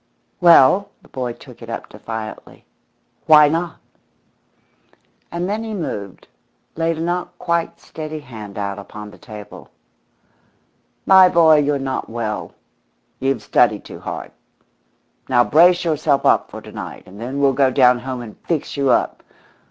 "Well," the boy took it up defiantly, "why not?" And then he moved, laid a not quite steady hand out upon the table. "My boy, you're not well. You've studied too hard. Now brace yourself up for to night, and then we'll go down home and fix you up.